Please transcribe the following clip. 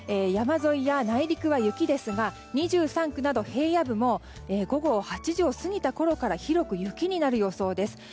山沿いや内陸は雪ですが２３区など平野部も午後８時を過ぎたころから広く雪になる予想です。